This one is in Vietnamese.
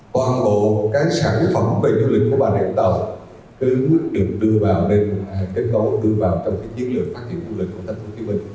toàn bộ sản phẩm về du lịch của bà rịa vũng tàu đều được đưa vào trong những lời phát triển du lịch của tp hcm